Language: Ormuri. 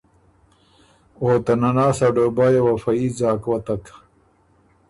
او ته نناس ا ډوبیه وه فه يي ځاک وتک